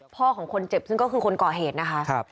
ของคนเจ็บซึ่งก็คือคนก่อเหตุนะคะ